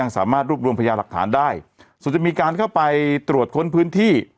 ส่วนจะมีการเข้าไปตรวจค้นพื้นที่